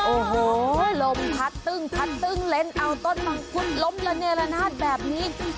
โอ้โหลมพัดตึ้งพัดตึ้งเล่นเอาต้นมังคุดล้มระเนรนาศแบบนี้